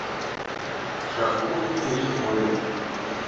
Жап куд кече кодын.